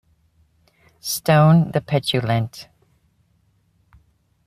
Stone the petulant.